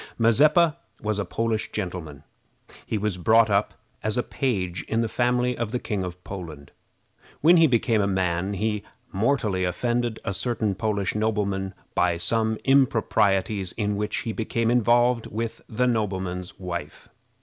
Mazeppa was a Polish gentleman. He was brought up as a page in the family of the King of Poland. When he became a man he mortally offended a certain Polish nobleman by some improprieties in which he became involved with the nobleman's wife.